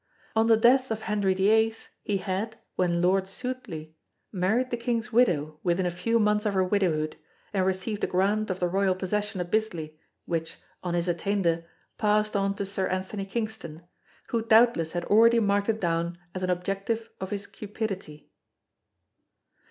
On the death of Henry VIII he had, when Lord Sudeley, married the king's widow within a few months of her widowhood, and received a grant of the royal possession at Bisley which, on his attainder, passed on to Sir Anthony Kingston, who doubtless had already marked it down as an objective of his cupidity.